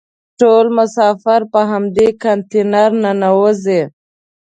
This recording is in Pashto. ټول مسافر په همدې کانتینر ننوزي.